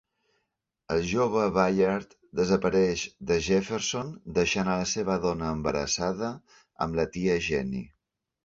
El jove Bayard desapareix de Jefferson deixant a la seva dona embarassada amb la tia Jenny.